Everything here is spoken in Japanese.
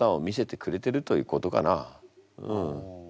うん。